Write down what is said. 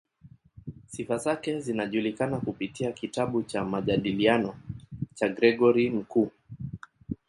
Sifa zake zinajulikana kupitia kitabu cha "Majadiliano" cha Gregori Mkuu.